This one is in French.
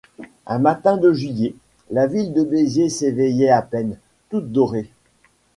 Un matin de juillet, la ville de Béziers s'éveillait à peine, toute dorée.